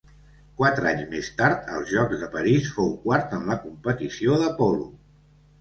Quatre anys més tard, als Jocs de París fou quart en la competició de polo.